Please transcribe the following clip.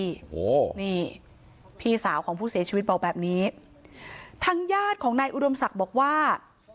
โอ้โหนี่พี่สาวของผู้เสียชีวิตบอกแบบนี้ทางญาติของนายอุดมศักดิ์บอกว่า